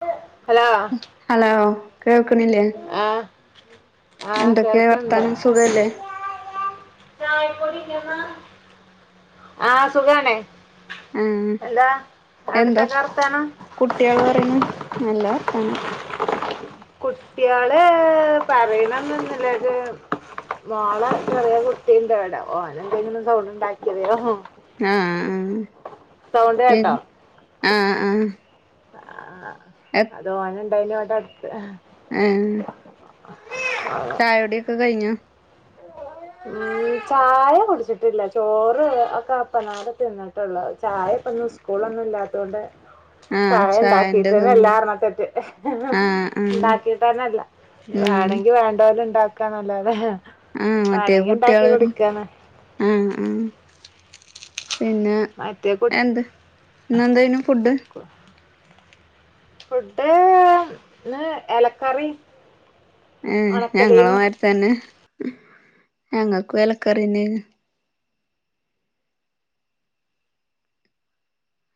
[unintelligible] hello കേൾക്ക്നില്ലേ ആ എന്തൊക്കെ കേൾക്കണ്ട് വർത്താനം സുഖല്ലേ ആ സുഗാണ് മ്മ് എന്തോ വർത്താനം കുട്ടിയേള് പറിനെ [unintelligible] കുടകുട്ട്യേള് പറയി [unintelligible] മോളെ ചെറിയെ കുട്ടിണ്ട് വടേ ഓനെതേലും സൗണ്ട് ണ്ടാക്കിയെ [unintelligible] ആ ആ സൗണ്ട് പി കേട്ടോ ആ ആ [unintelligible] അതോ [unintelligible] [unintelligible] ഏഹ് [inaudible] ചായോടിക്കോ കയിഞ്ഞോ ഉം ചായ കുടിച്ചട്ടില്ല ചോറ് ഒക്കെ ചായ ആ ചായന്റെ ണ്ടാക്കീട്ടന്നെ ഇതൊന്നും ല്ലാ ആ ആ [unintelligible] ണ്ടാക്കീട്ടന്നെല്ലാ ഉം വേണങ്കി വേണ്ടോര് ണ്ടാ ക്ക ന്നല്ലാതെ ഹെ ആ മറ്റേ കുട്ട്യേള് ആ ആ പിന്നെ മറ്റേ എന്ത് ന്നെന്തേഞ്ഞു ഫുഡ് ഫുഡ് ന്ന് എലക്കറി ഏ ഞങ്ങളെ മാരി തന്നെ ഞങ്ങക്കു എലക്കറിന്നെനി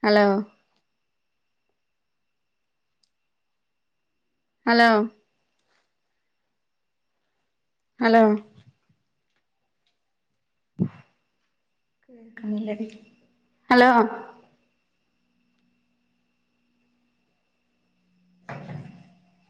അലോ അലോ അലോ [unintelligible] അലോ [inaudible]